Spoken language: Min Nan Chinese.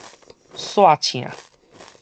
紲倩